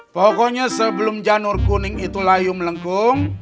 pokoknya sebelum janur kuning itu layu melengkung